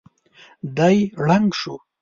دی ړنګ شو.